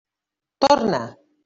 Torna!